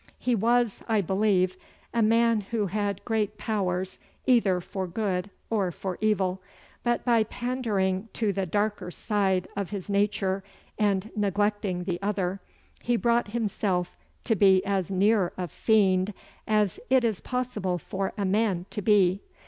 He was, I believe, a man who had great powers either for good or for evil, but by pandering to the darker side of his nature and neglecting the other, he brought himself to be as near a fiend as it is possible for a man to be.